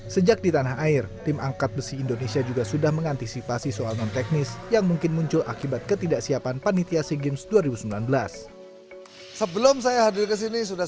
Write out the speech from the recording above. sejak di tanah air tim angkat besi indonesia juga sudah mengantisipasi soal non teknis yang mungkin muncul akibat ketidaksiapan panitia sea games dua ribu sembilan belas